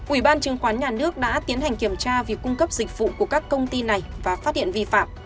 ủy ban chứng khoán nhà nước đã tiến hành kiểm tra việc cung cấp dịch vụ của các công ty này và phát hiện vi phạm